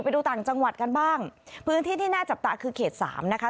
ไปดูต่างจังหวัดกันบ้างพื้นที่ที่น่าจับตาคือเขตสามนะคะ